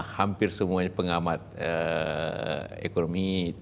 hampir semuanya pengamat ekonomi